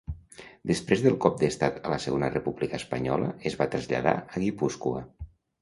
Després del cop d'estat a la Segona República Espanyola es va traslladar a Guipúscoa.